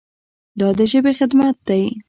دا د ژبې خدمت دی.